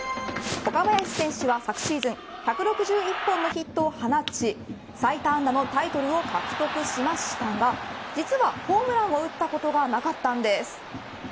昨シーズン１６１本のヒットを放ち最多安打のタイトルを獲得しましたが実は、ホームランを打ったことがなかったんです。